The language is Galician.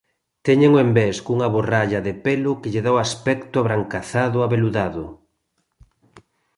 Teñen o envés cunha borralla de pelo que lle dá o aspecto abrancazado aveludado.